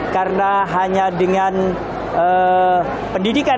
karena hanya dengan pendidikan